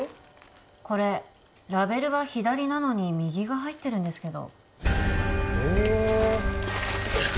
これラベルは「左」なのに右が入ってるんですけどえ